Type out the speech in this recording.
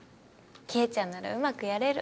希恵ちゃんならうまくやれる。